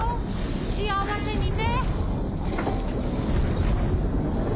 幸せにね！